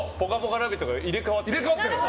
「ラヴィット！」が入れ替わってる。